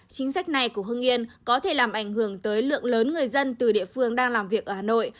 chính sách này của hưng yên có thể làm ảnh hưởng tới lượng lớn người dân từ địa phương đang làm việc ở hà nội